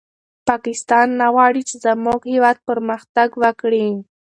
پاکستان نه غواړي چې زموږ هېواد پرمختګ وکړي.